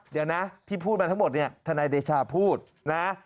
เดี๋ยวนะที่พูดมาทั้งหมดเนี่ยทนายเดชาพูดนะ